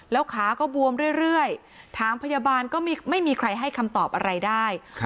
แล้วขาก็บวมเรื่อยถามพยาบาลก็ไม่มีใครให้คำตอบอะไรได้